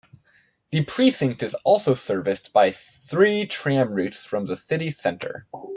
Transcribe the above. The precinct is also serviced by three tram routes from the city centre.